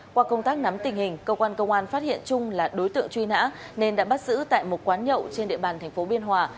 qua công tác nắm tình hình cơ quan công an phát hiện trung là đối tượng truy nã nên đã bắt giữ tại một quán nhậu trên địa bàn tp biên hòa